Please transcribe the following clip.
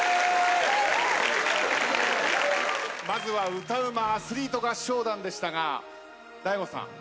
まずは歌ウマアスリート合唱団でしたがＤＡＩＧＯさん